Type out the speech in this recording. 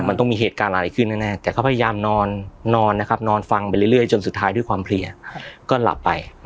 มันต้องมีเหตุการณ์อะไรขึ้นแน่แต่เขาพยายามนอนนอนนะครับ